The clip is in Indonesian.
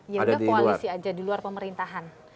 ya udah koalisi aja di luar pemerintahan